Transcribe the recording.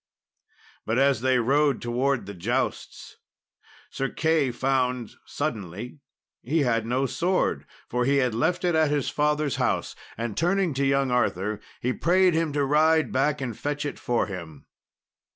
But as they rode towards the jousts, Sir Key found suddenly he had no sword, for he had left it at his father's house; and turning to young Arthur, he prayed him to ride back and fetch it for him.